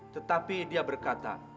tetapi dia berkata